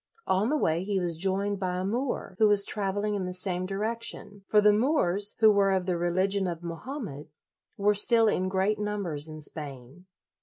On the way he was joined by a Moor, who was traveling in the same direction; for the Moors, who were of the religion of Mohammed, were still in great numbers in Spain.